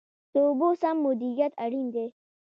د اوبو سم مدیریت اړین دی